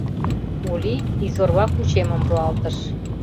— Ули изорва кучемым руалтыш.